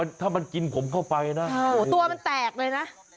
เออถ้ามันกินผมเข้าไปนะตัวมันแตกเลยนะ